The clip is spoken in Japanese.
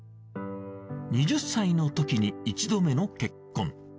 ２０歳のときに１度目の結婚。